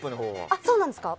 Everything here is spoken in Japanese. そうなんですか？